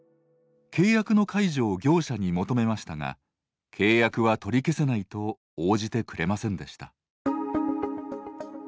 契約の解除を業者に求めましたが契約は取り消せないと応じてくれませんでした。